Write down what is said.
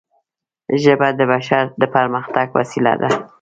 ژبه د بشر د پرمختګ وسیله ده